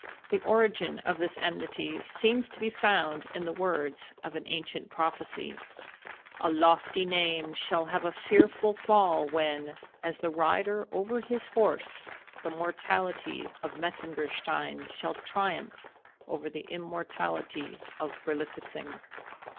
The origin of this enmity seems to be found in the words of an ancient prophecy—"A lofty name shall have a fearful fall when, as the rider over his horse, the mortality of Metzengerstein shall triumph over the immortality of Berlifitzing."